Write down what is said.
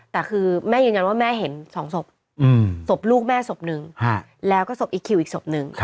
แต่คือแม่ยืนยันว่าแม่เห็น๒ศพศพลูกแม่ศพหนึ่งแล้วก็ศพอีกคิวอีกศพนึง